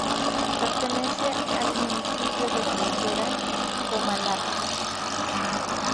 Pertenece al municipio de Frontera Comalapa.